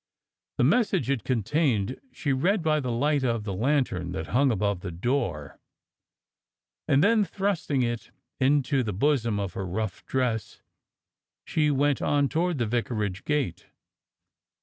The message it contained she read by the light of the lan tern that hung above the door, and then, thrusting it into the bosom of her rough dress, she went on toward the vicarage gate.